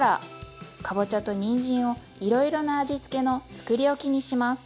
かぼちゃとにんじんをいろいろな味付けのつくりおきにします。